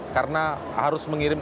karena harus mengirim